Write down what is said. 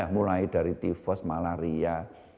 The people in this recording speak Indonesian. mulai dari tifos malaria